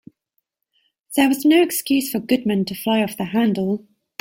There was no excuse for Goodman to fly off the handle.